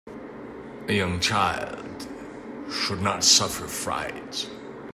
A young child should not suffer fright.